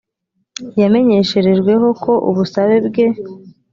yamenyesherejweho ko ubusabe bwe